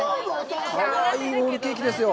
いいロールケーキですよ。